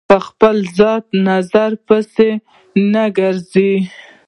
په خپل ذاتي نظر پسې نه ګرځي.